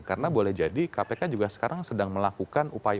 karena boleh jadi kpk juga sekarang sedang melakukan upaya